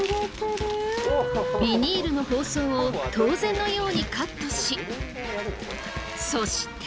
ビニールの包装を当然のようにカットしそして。